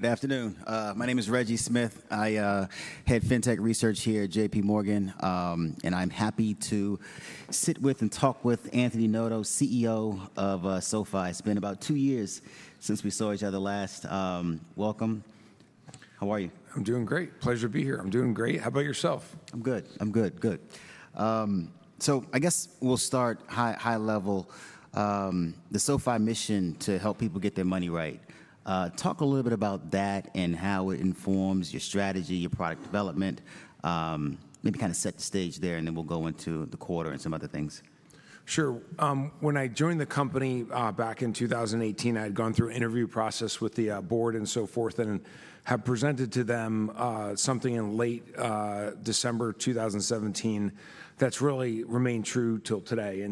Good afternoon. My name is Reggie Smith. I head fintech research here at JPMorgan, and I'm happy to sit with and talk with Anthony Noto, CEO of SoFi. It's been about two years since we saw each other last. Welcome. How are you? I'm doing great. Pleasure to be here. How about yourself? I'm good. I'm good. Good. I guess we'll start high level. The SoFi mission to help people get their money right. Talk a little bit about that and how it informs your strategy, your product development. Maybe kind of set the stage there, and then we'll go into the quarter and some other things. Sure. When I joined the company back in 2018, I had gone through an interview process with the board and so forth and had presented to them something in late December 2017 that's really remained true till today.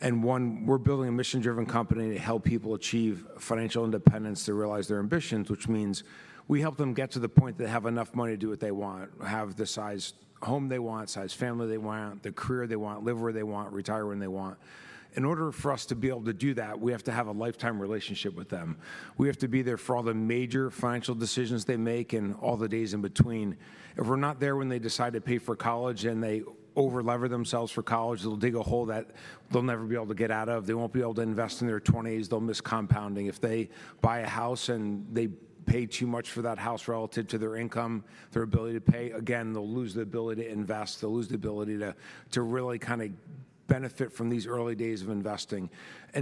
One, we're building a mission-driven company to help people achieve financial independence, to realize their ambitions, which means we help them get to the point they have enough money to do what they want, have the size home they want, size family they want, the career they want, live where they want, retire when they want. In order for us to be able to do that, we have to have a lifetime relationship with them. We have to be there for all the major financial decisions they make and all the days in between. If we're not there when they decide to pay for college and they over-lever themselves for college, they'll dig a hole that they'll never be able to get out of. They won't be able to invest in their 20s. They'll miss compounding. If they buy a house and they pay too much for that house relative to their income, their ability to pay, again, they'll lose the ability to invest. They'll lose the ability to really kind of benefit from these early days of investing. A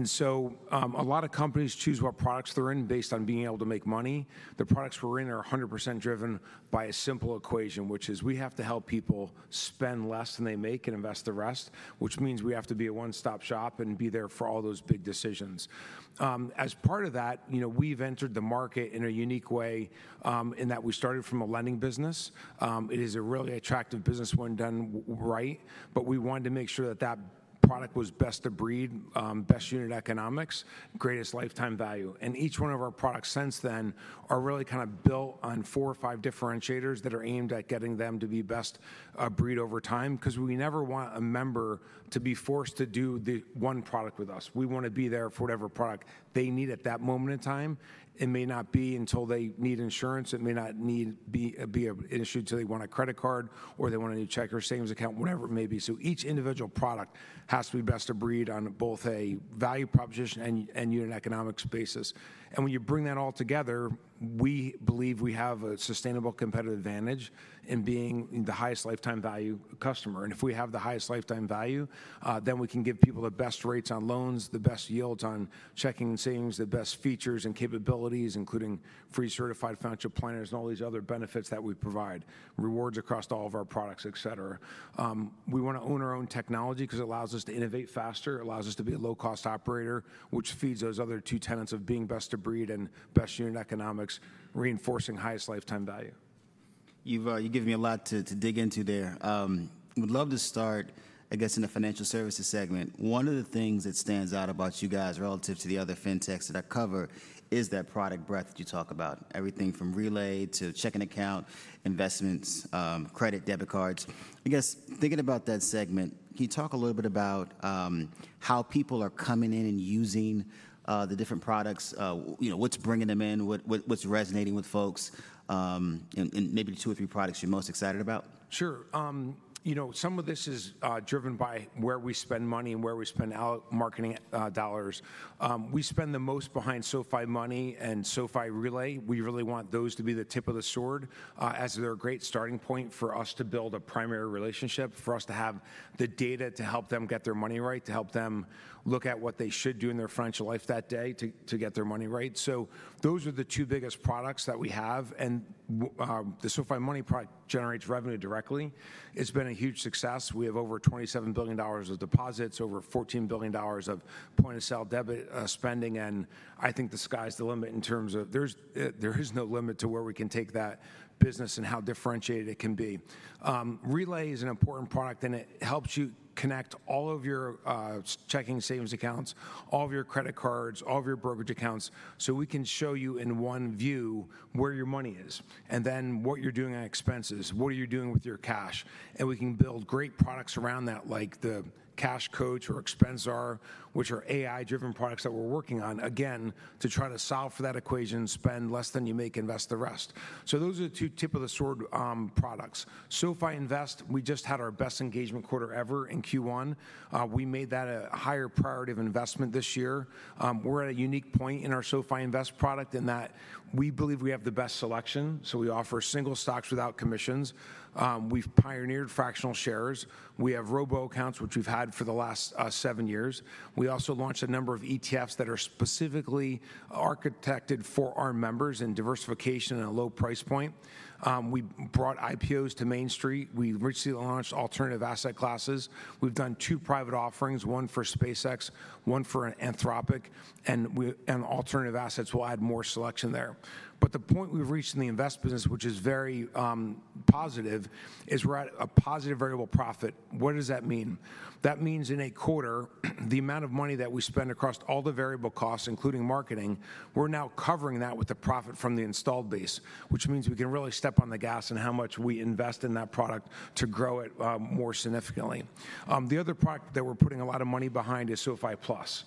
lot of companies choose what products they're in based on being able to make money. The products we're in are 100% driven by a simple equation, which is we have to help people spend less than they make and invest the rest, which means we have to be a one-stop shop and be there for all those big decisions. As part of that, we've entered the market in a unique way in that we started from a lending business. It is a really attractive business when done right, but we wanted to make sure that that product was best of breed, best unit economics, greatest lifetime value. Each one of our products since then are really kind of built on four or five differentiators that are aimed at getting them to be best of breed over time because we never want a member to be forced to do one product with us. We want to be there for whatever product they need at that moment in time. It may not be until they need insurance. It may not need to be an issue until they want a credit card or they want a new checking or savings account, whatever it may be. Each individual product has to be best of breed on both a value proposition and unit economics basis. When you bring that all together, we believe we have a sustainable competitive advantage in being the highest lifetime value customer. If we have the highest lifetime value, then we can give people the best rates on loans, the best yields on checking and savings, the best features and capabilities, including free certified financial planners and all these other benefits that we provide, rewards across all of our products, etc. We want to own our own technology because it allows us to innovate faster. It allows us to be a low-cost operator, which feeds those other two tenets of being best of breed and best unit economics, reinforcing highest lifetime value. You've given me a lot to dig into there. I would love to start, I guess, in the financial services segment. One of the things that stands out about you guys relative to the other fintechs that I cover is that product breadth that you talk about. Everything from Relay to checking account, investments, credit, debit cards. I guess thinking about that segment, can you talk a little bit about how people are coming in and using the different products? What's bringing them in? What's resonating with folks? And maybe two or three products you're most excited about. Sure. Some of this is driven by where we spend money and where we spend marketing dollars. We spend the most behind SoFi Money and SoFi Relay. We really want those to be the tip of the sword as they are a great starting point for us to build a primary relationship, for us to have the data to help them get their money right, to help them look at what they should do in their financial life that day to get their money right. Those are the two biggest products that we have. The SoFi Money product generates revenue directly. It has been a huge success. We have over $27 billion of deposits, over $14 billion of point-of-sale debit spending. I think the sky's the limit in terms of there is no limit to where we can take that business and how differentiated it can be. Relay is an important product, and it helps you connect all of your checking and savings accounts, all of your credit cards, all of your brokerage accounts so we can show you in one view where your money is and then what you're doing on expenses, what are you doing with your cash. We can build great products around that, like the Cash Coach or Expensar, which are AI-driven products that we're working on, again, to try to solve for that equation, spend less than you make, invest the rest. Those are the two tip of the sword products. SoFi Invest; we just had our best engagement quarter ever in Q1. We made that a higher priority of investment this year. We're at a unique point in our SoFi Invest product in that we believe we have the best selection. We offer single stocks without commissions. We've pioneered fractional shares. We have robo accounts, which we've had for the last seven years. We also launched a number of ETFs that are specifically architected for our members and diversification at a low price point. We brought IPOs to Main Street. We recently launched alternative asset classes. We've done two private offerings, one for SpaceX, one for Anthropic, and alternative assets. We'll add more selection there. The point we've reached in the investment business, which is very positive, is we're at a positive variable profit. What does that mean? That means in a quarter, the amount of money that we spend across all the variable costs, including marketing, we're now covering that with the profit from the installed base, which means we can really step on the gas on how much we invest in that product to grow it more significantly. The other product that we're putting a lot of money behind is SoFi Plus.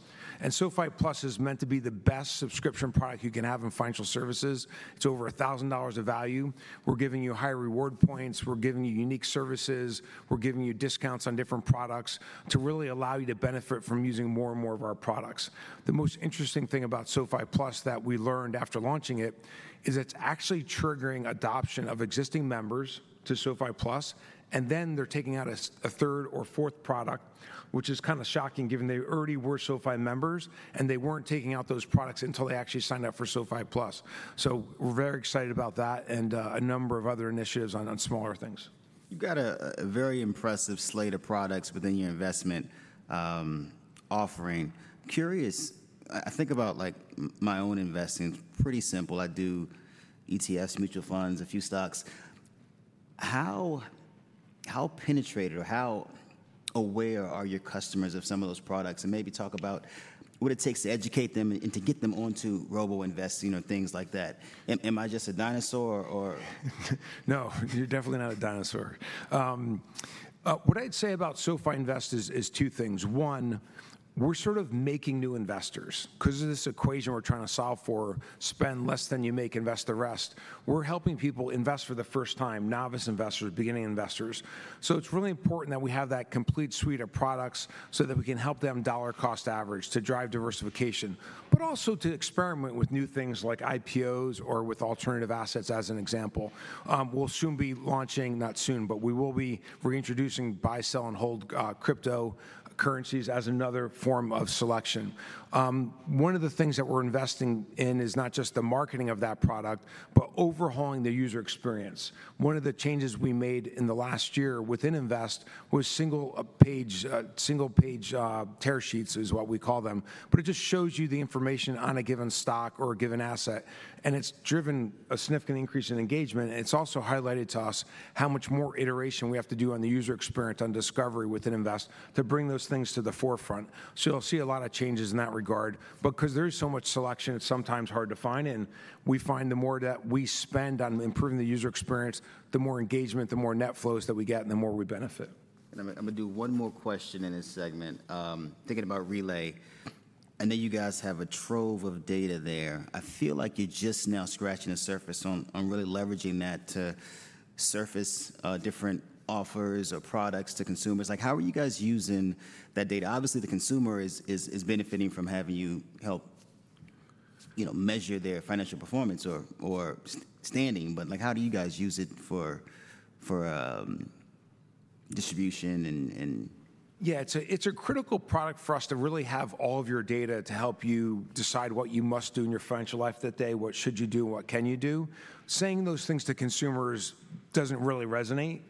SoFi Plus is meant to be the best subscription product you can have in financial services. It's over $1,000 of value. We're giving you high reward points. We're giving you unique services. We're giving you discounts on different products to really allow you to benefit from using more and more of our products. The most interesting thing about SoFi Plus that we learned after launching it is it's actually triggering adoption of existing members to SoFi Plus, and then they're taking out a third or fourth product, which is kind of shocking given they already were SoFi members and they weren't taking out those products until they actually signed up for SoFi Plus. We are very excited about that and a number of other initiatives on smaller things. You've got a very impressive slate of products within your investment offering. Curious, I think about my own investing. It's pretty simple. I do ETFs, mutual funds, a few stocks. How penetrated or how aware are your customers of some of those products? Maybe talk about what it takes to educate them and to get them onto robo investing or things like that. Am I just a dinosaur or? No, you're definitely not a dinosaur. What I'd say about SoFi Invest is two things. One, we're sort of making new investors. Because of this equation we're trying to solve for, spend less than you make, invest the rest, we're helping people invest for the first time, novice investors, beginning investors. It is really important that we have that complete suite of products so that we can help them dollar cost average to drive diversification, but also to experiment with new things like IPOs or with alternative assets as an example. We'll soon be launching, not soon, but we will be reintroducing buy, sell, and hold cryptocurrencies as another form of selection. One of the things that we're investing in is not just the marketing of that product, but overhauling the user experience. One of the changes we made in the last year within Invest was single-page terror sheets is what we call them. It just shows you the information on a given stock or a given asset. It has driven a significant increase in engagement. It has also highlighted to us how much more iteration we have to do on the user experience on discovery within Invest to bring those things to the forefront. You will see a lot of changes in that regard. Because there is so much selection, it is sometimes hard to find. We find the more that we spend on improving the user experience, the more engagement, the more net flows that we get, and the more we benefit. I'm going to do one more question in this segment. Thinking about Relay, I know you guys have a trove of data there. I feel like you're just now scratching the surface. I'm really leveraging that to surface different offers or products to consumers. How are you guys using that data? Obviously, the consumer is benefiting from having you help measure their financial performance or standing. How do you guys use it for distribution and? Yeah, it's a critical product for us to really have all of your data to help you decide what you must do in your financial life that day, what should you do, what can you do. Saying those things to consumers doesn't really resonate.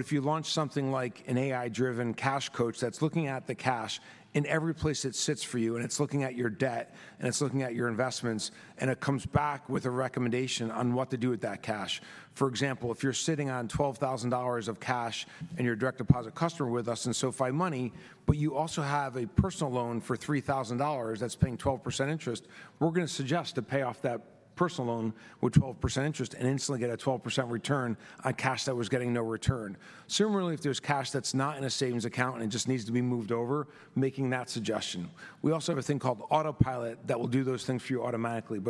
If you launch something like an AI-driven Cash Coach that's looking at the cash in every place it sits for you, and it's looking at your debt, and it's looking at your investments, and it comes back with a recommendation on what to do with that cash. For example, if you're sitting on $12,000 of cash and you're a direct deposit customer with us in SoFi Money, but you also have a personal loan for $3,000 that's paying 12% interest, we're going to suggest to pay off that personal loan with 12% interest and instantly get a 12% return on cash that was getting no return. Similarly, if there's cash that's not in a savings account and it just needs to be moved over, making that suggestion. We also have a thing called Autopilot that will do those things for you automatically.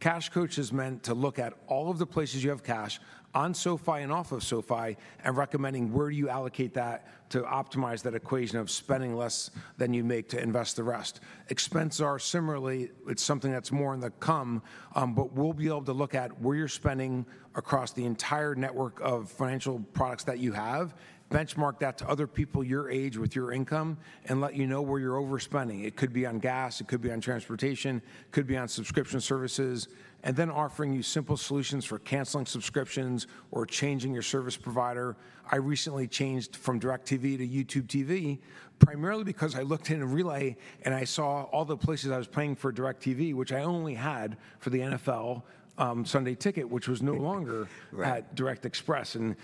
Cash Coach is meant to look at all of the places you have cash on SoFi and off of SoFi and recommending where do you allocate that to optimize that equation of spending less than you make to invest the rest. Expensar, similarly, it's something that's more in the come, but we'll be able to look at where you're spending across the entire network of financial products that you have, benchmark that to other people your age with your income, and let you know where you're overspending. It could be on gas. It could be on transportation. It could be on subscription services. Offering you simple solutions for canceling subscriptions or changing your service provider. I recently changed from DirecTV to YouTube TV primarily because I looked into Relay and I saw all the places I was paying for DirecTV, which I only had for the NFL Sunday ticket, which was no longer at DirecTV.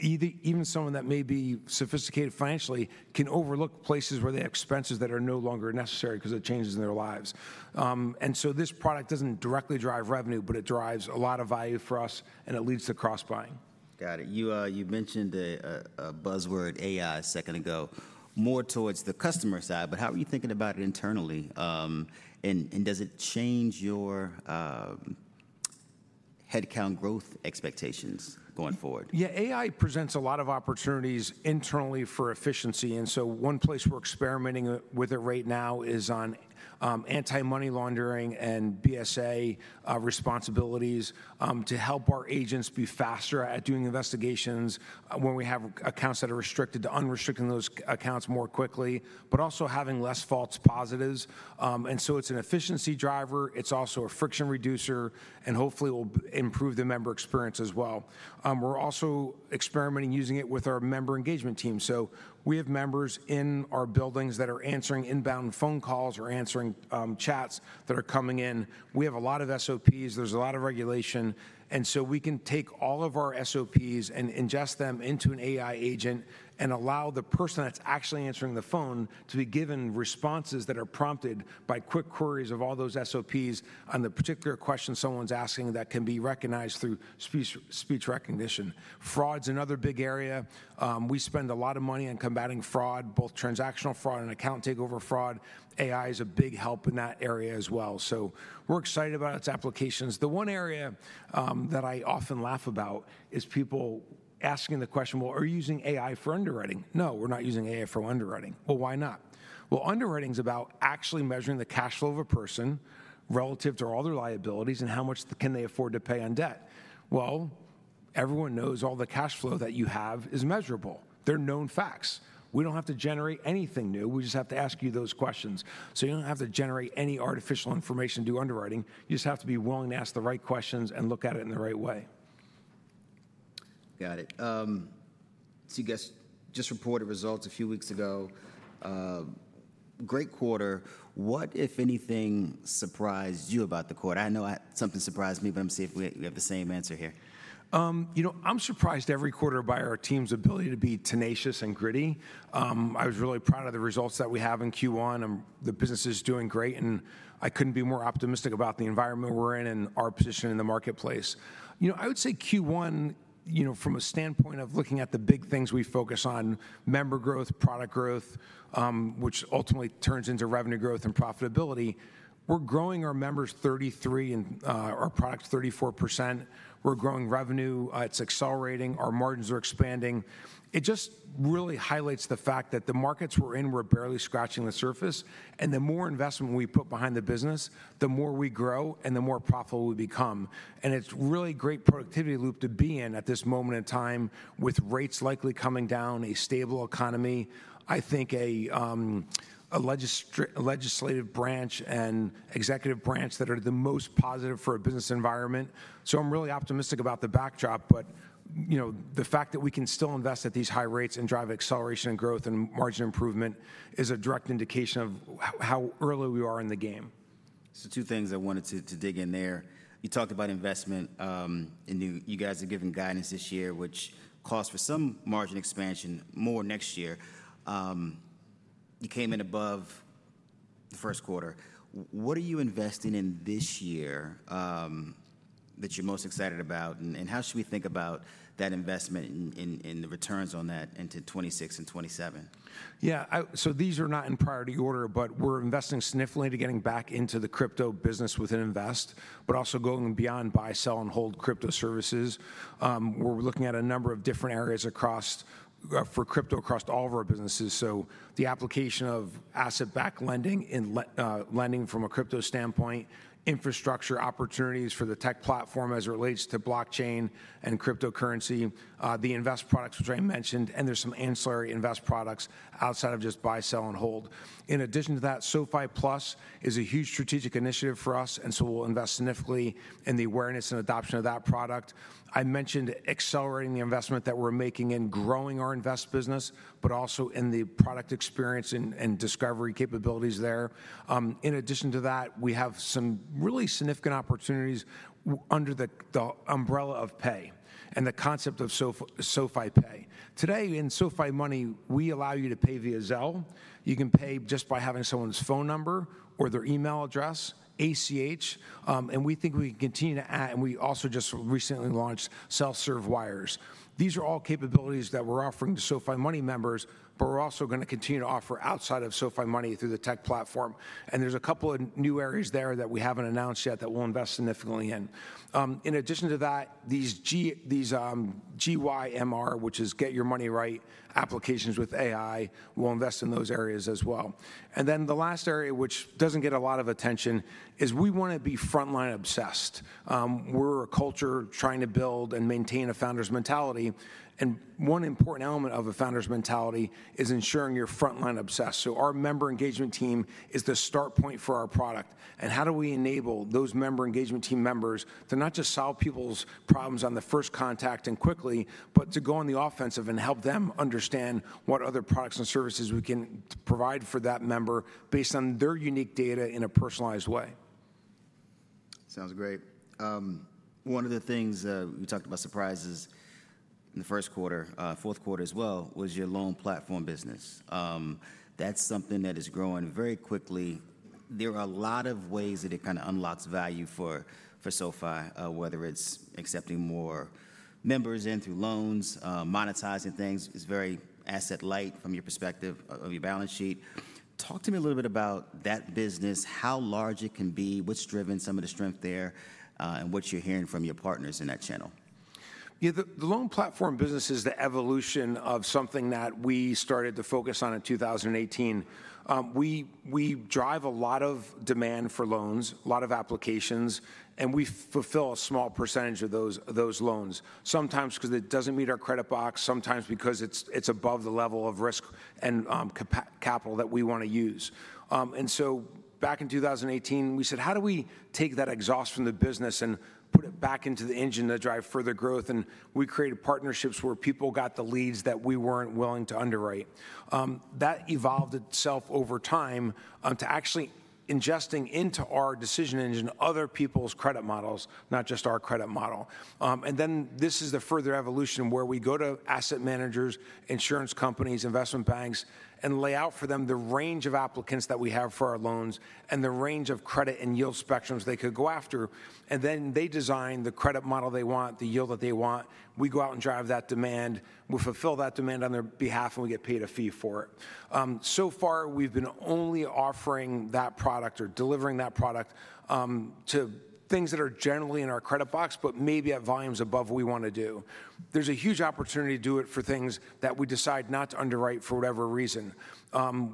Even someone that may be sophisticated financially can overlook places where they have expenses that are no longer necessary because it changes in their lives. This product does not directly drive revenue, but it drives a lot of value for us and it leads to cross-buying. Got it. You mentioned a buzzword, AI, a second ago, more towards the customer side. How are you thinking about it internally? Does it change your headcount growth expectations going forward? Yeah, AI presents a lot of opportunities internally for efficiency. One place we're experimenting with it right now is on anti-money laundering and BSA responsibilities to help our agents be faster at doing investigations when we have accounts that are restricted, to unrestricting those accounts more quickly, but also having less false positives. It's an efficiency driver. It's also a friction reducer and hopefully will improve the member experience as well. We're also experimenting using it with our member engagement team. We have members in our buildings that are answering inbound phone calls or answering chats that are coming in. We have a lot of SOPs. There's a lot of regulation. We can take all of our SOPs and ingest them into an AI agent and allow the person that's actually answering the phone to be given responses that are prompted by quick queries of all those SOPs on the particular question someone's asking that can be recognized through speech recognition. Fraud's another big area. We spend a lot of money on combating fraud, both transactional fraud and account takeover fraud. AI is a big help in that area as well. We're excited about its applications. The one area that I often laugh about is people asking the question, are you using AI for underwriting? No, we're not using AI for underwriting. Why not? Underwriting is about actually measuring the cash flow of a person relative to all their liabilities and how much can they afford to pay on debt. Everyone knows all the cash flow that you have is measurable. They're known facts. We don't have to generate anything new. We just have to ask you those questions. You don't have to generate any artificial information to do underwriting. You just have to be willing to ask the right questions and look at it in the right way. Got it. So you guys just reported results a few weeks ago. Great quarter. What, if anything, surprised you about the quarter? I know something surprised me, but I'm going to see if we have the same answer here. You know, I'm surprised every quarter by our team's ability to be tenacious and gritty. I was really proud of the results that we have in Q1. The business is doing great. I couldn't be more optimistic about the environment we're in and our position in the marketplace. You know, I would say Q1, from a standpoint of looking at the big things we focus on, member growth, product growth, which ultimately turns into revenue growth and profitability, we're growing our members 33% and our product 34%. We're growing revenue. It's accelerating. Our margins are expanding. It just really highlights the fact that the markets we're in, we're barely scratching the surface. The more investment we put behind the business, the more we grow and the more profitable we become. It's really a great productivity loop to be in at this moment in time with rates likely coming down, a stable economy. I think a legislative branch and executive branch that are the most positive for a business environment. I'm really optimistic about the backdrop. The fact that we can still invest at these high rates and drive acceleration and growth and margin improvement is a direct indication of how early we are in the game. Two things I wanted to dig in there. You talked about investment. You guys are giving guidance this year, which calls for some margin expansion, more next year. You came in above the first quarter. What are you investing in this year that you're most excited about? How should we think about that investment and the returns on that into 2026 and 2027? Yeah, so these are not in priority order, but we're investing significantly to getting back into the crypto business within Invest, but also going beyond buy, sell, and hold crypto services. We're looking at a number of different areas for crypto across all of our businesses. The application of asset-backed lending and lending from a crypto standpoint, infrastructure opportunities for the tech platform as it relates to blockchain and cryptocurrency, the Invest products, which I mentioned, and there's some ancillary Invest products outside of just buy, sell, and hold. In addition to that, SoFi Plus is a huge strategic initiative for us. We'll invest significantly in the awareness and adoption of that product. I mentioned accelerating the investment that we're making in growing our Invest business, but also in the product experience and discovery capabilities there. In addition to that, we have some really significant opportunities under the umbrella of pay and the concept of SoFi Pay. Today in SoFi Money, we allow you to pay via Zelle. You can pay just by having someone's phone number or their email address, ACH. We think we can continue to add, and we also just recently launched self-serve wires. These are all capabilities that we're offering to SoFi Money members, but we're also going to continue to offer outside of SoFi Money through the tech platform. There are a couple of new areas there that we haven't announced yet that we'll invest significantly in. In addition to that, these GYMR, which is get your money right applications with AI, we'll invest in those areas as well. The last area, which doesn't get a lot of attention, is we want to be frontline obsessed. We're a culture trying to build and maintain a founder's mentality. One important element of a founder's mentality is ensuring you're frontline obsessed. Our member engagement team is the start point for our product. How do we enable those member engagement team members to not just solve people's problems on the first contact and quickly, but to go on the offensive and help them understand what other products and services we can provide for that member based on their unique data in a personalized way? Sounds great. One of the things we talked about, surprises in the first quarter, fourth quarter as well, was your Loan Platform Business. That's something that is growing very quickly. There are a lot of ways that it kind of unlocks value for SoFi, whether it's accepting more members in through loans, monetizing things. It's very asset-light from your perspective of your balance sheet. Talk to me a little bit about that business, how large it can be, what's driven some of the strength there, and what you're hearing from your partners in that channel. Yeah, the Loan Platform Business is the evolution of something that we started to focus on in 2018. We drive a lot of demand for loans, a lot of applications, and we fulfill a small percentage of those loans, sometimes because it does not meet our credit box, sometimes because it is above the level of risk and capital that we want to use. Back in 2018, we said, how do we take that exhaust from the business and put it back into the engine to drive further growth? We created partnerships where people got the leads that we were not willing to underwrite. That evolved itself over time to actually ingesting into our decision engine other people's credit models, not just our credit model. This is the further evolution where we go to asset managers, insurance companies, investment banks, and lay out for them the range of applicants that we have for our loans and the range of credit and yield spectrums they could go after. They design the credit model they want, the yield that they want. We go out and drive that demand. We fulfill that demand on their behalf, and we get paid a fee for it. So far, we've been only offering that product or delivering that product to things that are generally in our credit box, but maybe at volumes above what we want to do. There's a huge opportunity to do it for things that we decide not to underwrite for whatever reason.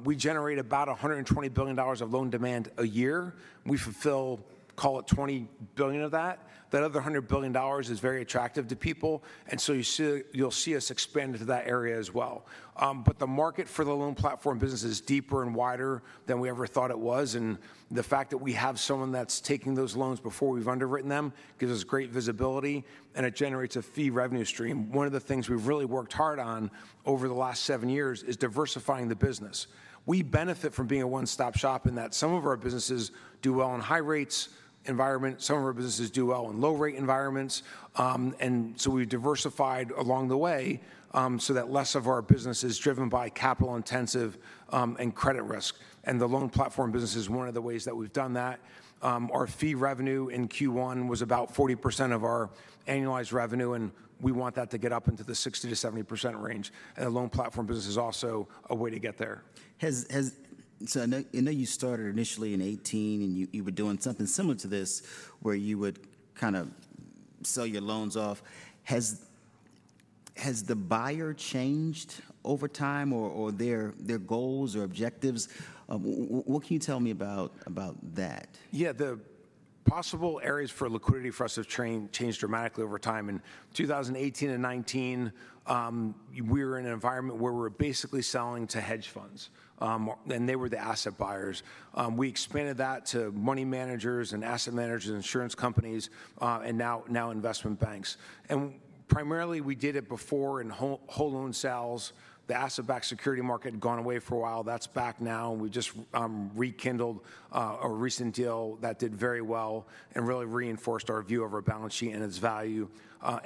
We generate about $120 billion of loan demand a year. We fulfill, call it $20 billion of that. That other $100 billion is very attractive to people. You'll see us expand into that area as well. The market for the loan platform business is deeper and wider than we ever thought it was. The fact that we have someone that's taking those loans before we've underwritten them gives us great visibility, and it generates a fee revenue stream. One of the things we've really worked hard on over the last seven years is diversifying the business. We benefit from being a one-stop shop in that some of our businesses do well in high-rate environments. Some of our businesses do well in low-rate environments. We've diversified along the way so that less of our business is driven by capital-intensive and credit risk. The loan platform business is one of the ways that we've done that. Our fee revenue in Q1 was about 40% of our annualized revenue, and we want that to get up into the 60%-70% range. The loan platform business is also a way to get there. I know you started initially in 2018, and you were doing something similar to this where you would kind of sell your loans off. Has the buyer changed over time or their goals or objectives? What can you tell me about that? Yeah, the possible areas for liquidity for us have changed dramatically over time. In 2018 and 2019, we were in an environment where we were basically selling to hedge funds, and they were the asset buyers. We expanded that to money managers and asset managers, insurance companies, and now investment banks. Primarily, we did it before in whole loan sales. The asset-backed security market had gone away for a while. That is back now. We just rekindled a recent deal that did very well and really reinforced our view of our balance sheet and its value.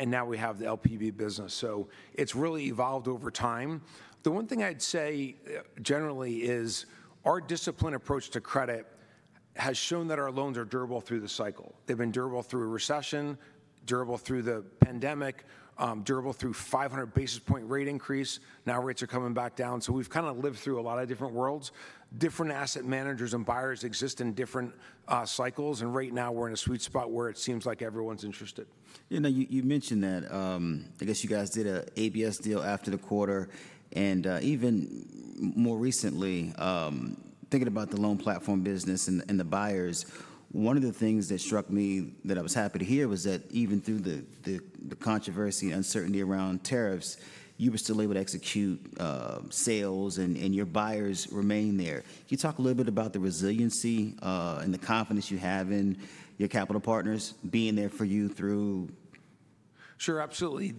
Now we have the LPV business. It has really evolved over time. The one thing I would say generally is our disciplined approach to credit has shown that our loans are durable through the cycle. They have been durable through a recession, durable through the pandemic, durable through a 500 basis point rate increase. Now rates are coming back down. We have kind of lived through a lot of different worlds. Different asset managers and buyers exist in different cycles. Right now, we are in a sweet spot where it seems like everyone's interested. You mentioned that. I guess you guys did an ABS deal after the quarter. Even more recently, thinking about the Loan Platform Business and the buyers, one of the things that struck me that I was happy to hear was that even through the controversy and uncertainty around tariffs, you were still able to execute sales, and your buyers remained there. Can you talk a little bit about the resiliency and the confidence you have in your capital partners being there for you through? Sure, absolutely.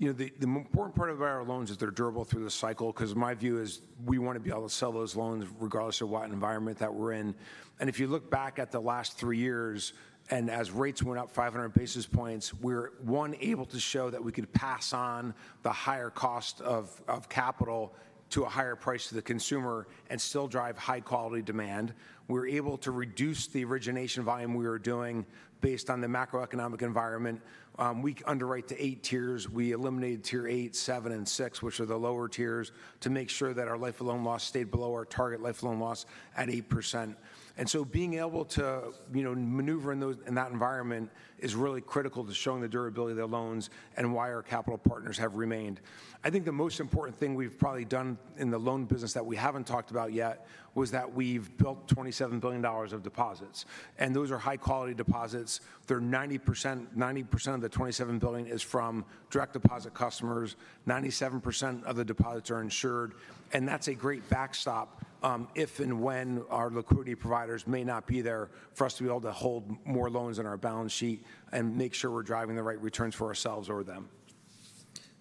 The important part of our loans is they're durable through the cycle because my view is we want to be able to sell those loans regardless of what environment that we're in. If you look back at the last three years, and as rates went up 500 basis points, we were able to show that we could pass on the higher cost of capital to a higher price to the consumer and still drive high-quality demand. We were able to reduce the origination volume we were doing based on the macroeconomic environment. We underwrite to eight tiers. We eliminated tier eight, seven, and six, which are the lower tiers, to make sure that our life-to-loan loss stayed below our target life-to-loan loss at 8%. Being able to maneuver in that environment is really critical to showing the durability of the loans and why our capital partners have remained. I think the most important thing we've probably done in the loan business that we haven't talked about yet is that we've built $27 billion of deposits. Those are high-quality deposits. 90% of the $27 billion is from direct deposit customers. 97% of the deposits are insured. That is a great backstop if and when our liquidity providers may not be there for us to be able to hold more loans on our balance sheet and make sure we're driving the right returns for ourselves or them.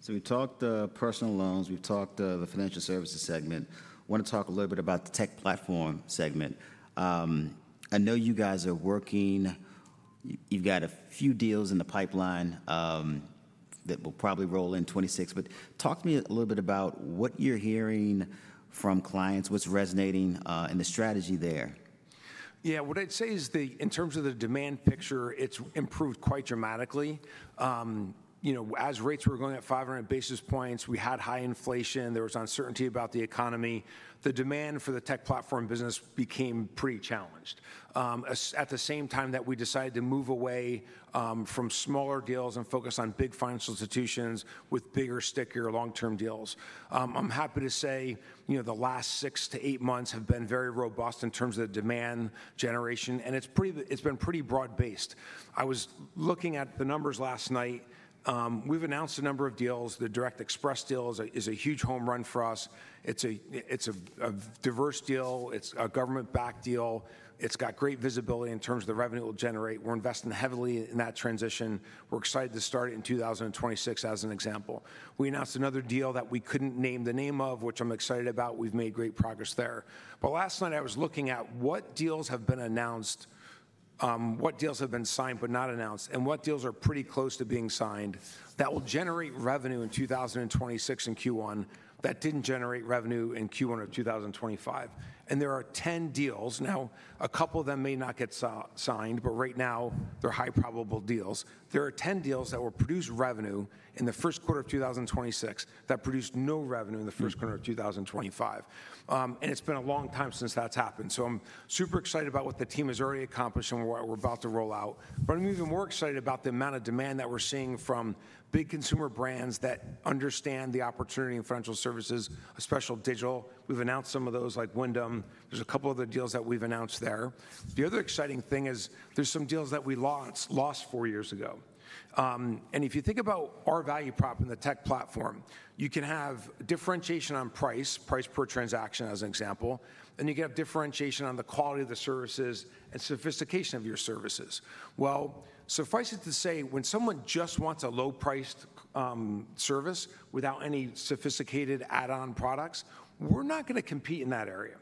We talked personal loans. We've talked the financial services segment. I want to talk a little bit about the tech platform segment. I know you guys are working. You've got a few deals in the pipeline that will probably roll in 2026. Talk to me a little bit about what you're hearing from clients, what's resonating in the strategy there. Yeah, what I'd say is in terms of the demand picture, it's improved quite dramatically. As rates were going at 500 basis points, we had high inflation. There was uncertainty about the economy. The demand for the tech platform business became pretty challenged at the same time that we decided to move away from smaller deals and focus on big financial institutions with bigger, stickier long-term deals. I'm happy to say the last six to eight months have been very robust in terms of the demand generation, and it's been pretty broad-based. I was looking at the numbers last night. We've announced a number of deals. The direct express deal is a huge home run for us. It's a diverse deal. It's a government-backed deal. It's got great visibility in terms of the revenue it will generate. We're investing heavily in that transition. We're excited to start it in 2026 as an example. We announced another deal that we couldn't name the name of, which I'm excited about. We've made great progress there. Last night, I was looking at what deals have been announced, what deals have been signed but not announced, and what deals are pretty close to being signed that will generate revenue in 2026 and Q1 that didn't generate revenue in Q1 of 2025. There are 10 deals. Now, a couple of them may not get signed, but right now, they're high-probable deals. There are 10 deals that will produce revenue in the first quarter of 2026 that produced no revenue in the first quarter of 2025. It's been a long time since that's happened. I'm super excited about what the team has already accomplished and what we're about to roll out. I'm even more excited about the amount of demand that we're seeing from big consumer brands that understand the opportunity in financial services, especially digital. We've announced some of those like Wyndham. There's a couple of other deals that we've announced there. The other exciting thing is there's some deals that we lost four years ago. If you think about our value prop in the tech platform, you can have differentiation on price, price per transaction as an example, and you can have differentiation on the quality of the services and sophistication of your services. Suffice it to say, when someone just wants a low-priced service without any sophisticated add-on products, we're not going to compete in that area.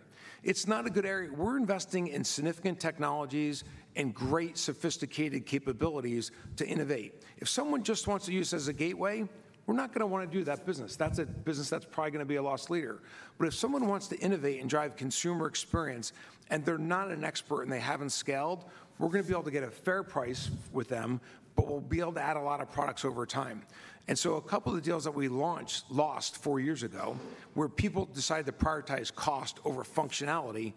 It's not a good area. We're investing in significant technologies and great sophisticated capabilities to innovate. If someone just wants to use it as a gateway, we're not going to want to do that business. That's a business that's probably going to be a loss leader. If someone wants to innovate and drive consumer experience and they're not an expert and they haven't scaled, we're going to be able to get a fair price with them, but we'll be able to add a lot of products over time. A couple of the deals that we launched the last four years ago where people decided to prioritize cost over functionality,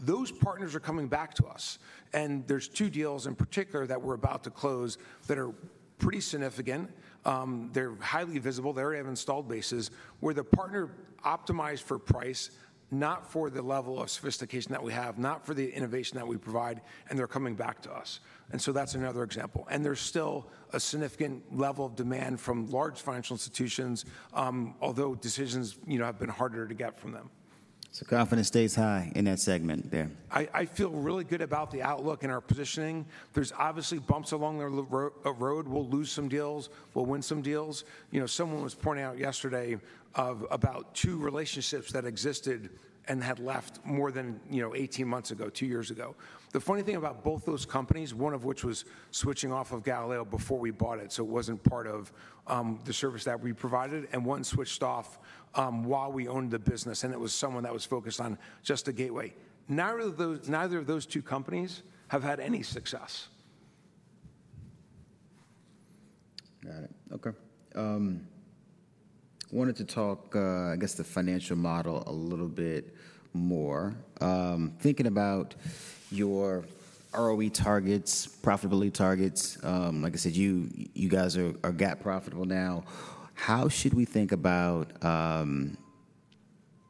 those partners are coming back to us. There are two deals in particular that we're about to close that are pretty significant. They're highly visible. They already have installed bases where the partner optimized for price, not for the level of sophistication that we have, not for the innovation that we provide, and they are coming back to us. That is another example. There is still a significant level of demand from large financial institutions, although decisions have been harder to get from them. Confidence stays high in that segment there. I feel really good about the outlook and our positioning. There's obviously bumps along the road. We'll lose some deals. We'll win some deals. Someone was pointing out yesterday about two relationships that existed and had left more than 18 months ago, two years ago. The funny thing about both those companies, one of which was switching off of Galileo before we bought it, so it wasn't part of the service that we provided, and one switched off while we owned the business, and it was someone that was focused on just a gateway. Neither of those two companies have had any success. Got it. Okay. I wanted to talk, I guess, the financial model a little bit more. Thinking about your ROE targets, profitability targets, like I said, you guys are GAAP profitable now. How should we think about,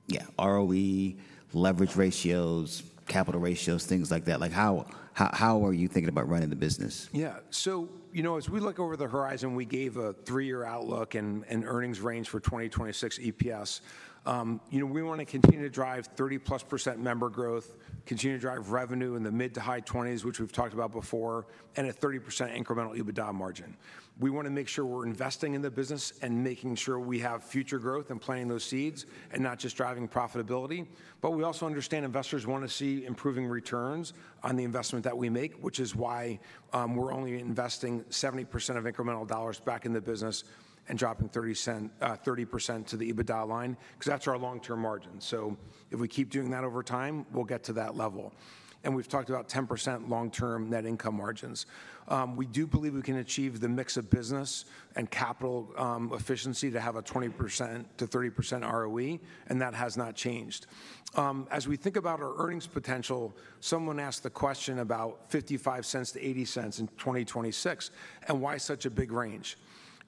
yeah, ROE, leverage ratios, capital ratios, things like that? How are you thinking about running the business? Yeah. So as we look over the horizon, we gave a three-year outlook and earnings range for 2026 EPS. We want to continue to drive 30+% member growth, continue to drive revenue in the mid to high 20s, which we've talked about before, and a 30% incremental EBITDA margin. We want to make sure we're investing in the business and making sure we have future growth and planting those seeds and not just driving profitability. We also understand investors want to see improving returns on the investment that we make, which is why we're only investing 70% of incremental dollars back in the business and dropping 30% to the EBITDA line because that's our long-term margin. If we keep doing that over time, we'll get to that level. We've talked about 10% long-term net income margins. We do believe we can achieve the mix of business and capital efficiency to have a 20%-30% ROE, and that has not changed. As we think about our earnings potential, someone asked the question about $0.55 to $0.80 in 2026 and why such a big range.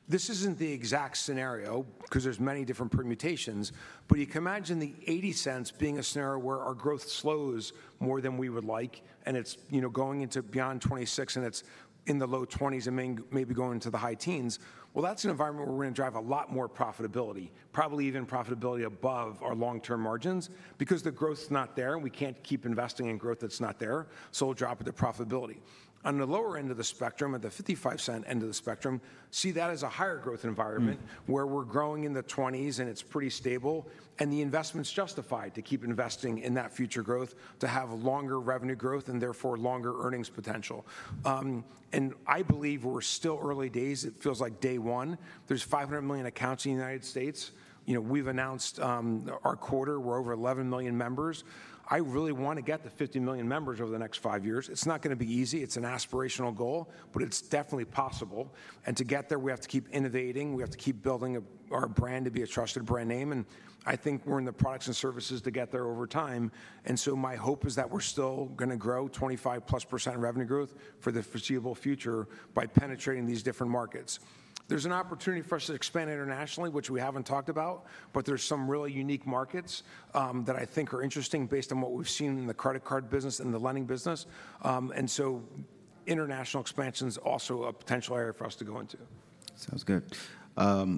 This is not the exact scenario because there are many different permutations, but you can imagine the $0.80 being a scenario where our growth slows more than we would like, and it is going into beyond 2026, and it is in the low 20s and maybe going into the high teens. That is an environment where we are going to drive a lot more profitability, probably even profitability above our long-term margins because the growth is not there. We cannot keep investing in growth that is not there, so we will drop the profitability. On the lower end of the spectrum, at the $0.55 end of the spectrum, see that as a higher growth environment where we're growing in the 20s and it's pretty stable, and the investment's justified to keep investing in that future growth to have longer revenue growth and therefore longer earnings potential. I believe we're still early days. It feels like day one. There's 500 million accounts in the U.S. We've announced our quarter. We're over 11 million members. I really want to get to 50 million members over the next five years. It's not going to be easy. It's an aspirational goal, but it's definitely possible. To get there, we have to keep innovating. We have to keep building our brand to be a trusted brand name. I think we're in the products and services to get there over time. My hope is that we're still going to grow 25%+ revenue growth for the foreseeable future by penetrating these different markets. There's an opportunity for us to expand internationally, which we haven't talked about, but there's some really unique markets that I think are interesting based on what we've seen in the credit card business and the lending business. International expansion is also a potential area for us to go into. Sounds good.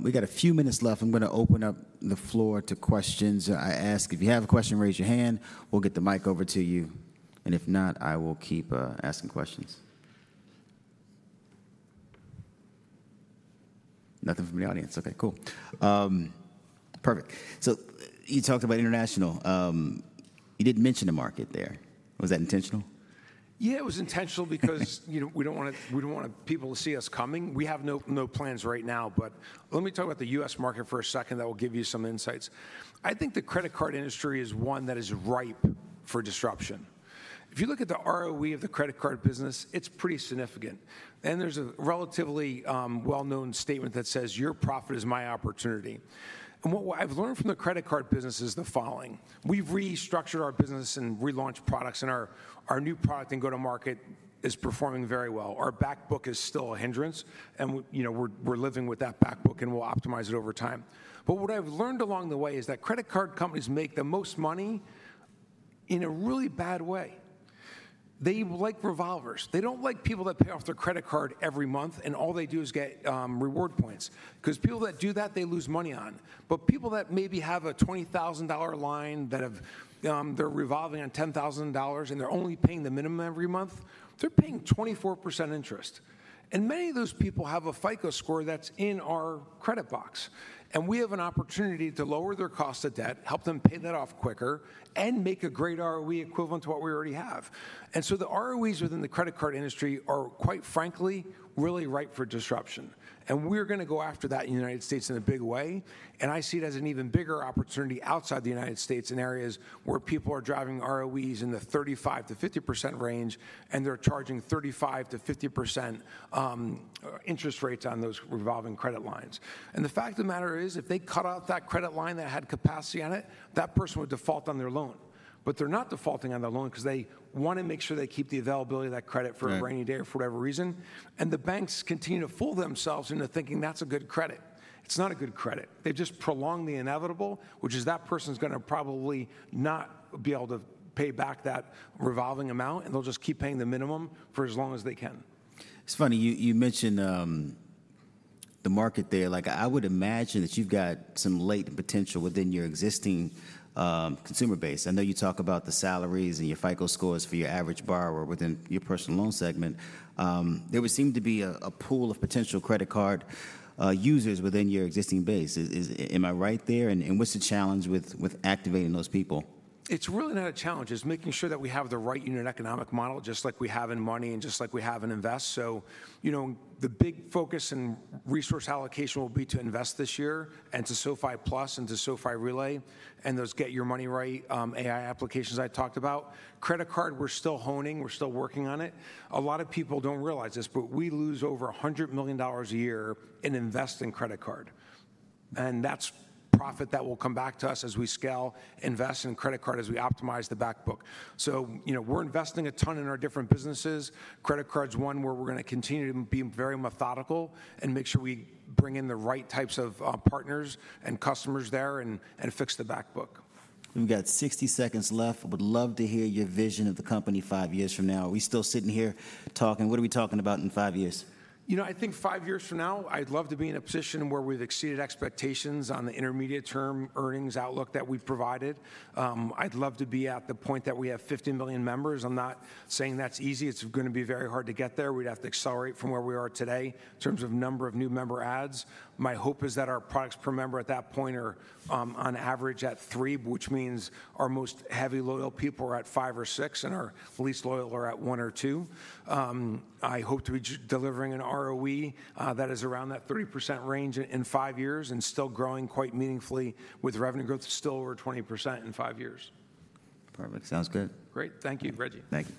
We got a few minutes left. I'm going to open up the floor to questions. I ask, if you have a question, raise your hand. We'll get the mic over to you. If not, I will keep asking questions. Nothing from the audience. Okay, cool. Perfect. You talked about international. You didn't mention a market there. Was that intentional? Yeah, it was intentional because we do not want people to see us coming. We have no plans right now. Let me talk about the U.S. market for a second that will give you some insights. I think the credit card industry is one that is ripe for disruption. If you look at the ROE of the credit card business, it is pretty significant. There is a relatively well-known statement that says, "Your profit is my opportunity." What I have learned from the credit card business is the following. We have restructured our business and relaunched products, and our new product and go-to-market is performing very well. Our back book is still a hindrance, and we are living with that back book, and we will optimize it over time. What I have learned along the way is that credit card companies make the most money in a really bad way. They like revolvers. They don't like people that pay off their credit card every month, and all they do is get reward points because people that do that, they lose money on. People that maybe have a $20,000 line, that they're revolving on $10,000, and they're only paying the minimum every month, they're paying 24% interest. Many of those people have a FICO score that's in our credit box. We have an opportunity to lower their cost of debt, help them pay that off quicker, and make a great ROE equivalent to what we already have. The ROEs within the credit card industry are, quite frankly, really ripe for disruption. We're going to go after that in the United States in a big way. I see it as an even bigger opportunity outside the U.S. in areas where people are driving ROEs in the 35-50% range, and they're charging 35-50% interest rates on those revolving credit lines. The fact of the matter is, if they cut out that credit line that had capacity on it, that person would default on their loan. They're not defaulting on their loan because they want to make sure they keep the availability of that credit for a rainy day or for whatever reason. The banks continue to fool themselves into thinking that's a good credit. It's not a good credit. They just prolong the inevitable, which is that person's going to probably not be able to pay back that revolving amount, and they'll just keep paying the minimum for as long as they can. It's funny. You mentioned the market there. I would imagine that you've got some latent potential within your existing consumer base. I know you talk about the salaries and your FICO scores for your average borrower within your personal loan segment. There would seem to be a pool of potential credit card users within your existing base. Am I right there? What's the challenge with activating those people? It's really not a challenge. It's making sure that we have the right unit economic model, just like we have in Money and just like we have in Invest. The big focus and resource allocation will be to Invest this year and to SoFi Plus and to SoFi Relay and those Get Your Money Right AI applications I talked about. Credit card, we're still honing. We're still working on it. A lot of people don't realize this, but we lose over $100 million a year in investing in credit card. That's profit that will come back to us as we scale, invest in credit card as we optimize the back book. We're investing a ton in our different businesses. Credit card is one where we're going to continue to be very methodical and make sure we bring in the right types of partners and customers there and fix the back book. We've got 60 seconds left. I would love to hear your vision of the company five years from now. Are we still sitting here talking? What are we talking about in five years? You know, I think five years from now, I'd love to be in a position where we've exceeded expectations on the intermediate-term earnings outlook that we've provided. I'd love to be at the point that we have 50 million members. I'm not saying that's easy. It's going to be very hard to get there. We'd have to accelerate from where we are today in terms of number of new member adds. My hope is that our products per member at that point are on average at three, which means our most heavy loyal people are at five or six and our least loyal are at one or two. I hope to be delivering an ROE that is around that 30% range in five years and still growing quite meaningfully with revenue growth still over 20% in five years. Perfect. Sounds good. Great. Thank you, Reggie. Thank you.